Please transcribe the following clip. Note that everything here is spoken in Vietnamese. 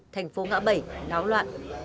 thành phố ngã bắc